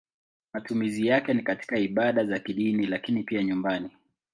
Matumizi yake ni katika ibada za kidini lakini pia nyumbani.